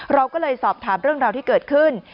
เราก็เลยสอบถามเรื่องราวที่เกิดขึ้น